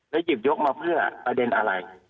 หยิบยกมาเพื่อประเด็นอะไร